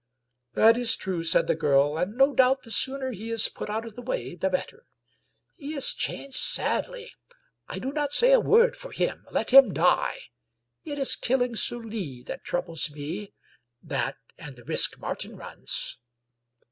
" That is true !" said the girl. " And no doubt the sooner he is put out of the way the better. He is changed sadly. I do not say a word for him. Let him die. It is killing Sully that troubles me — ^that and the risk Martin runs."